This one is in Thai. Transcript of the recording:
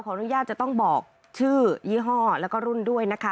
อนุญาตจะต้องบอกชื่อยี่ห้อแล้วก็รุ่นด้วยนะคะ